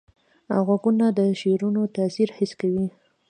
غوږونه د شعرونو تاثیر حس کوي